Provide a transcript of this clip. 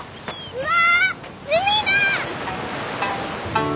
うわ！